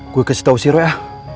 gue kasih tau si roy ya